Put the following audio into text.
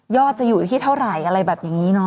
ยอดจะอยู่ที่เท่าไหร่อะไรแบบอย่างนี้เนอะ